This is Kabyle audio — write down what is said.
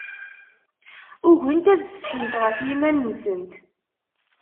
Ugint ad setḥint ɣef yiman-nsent.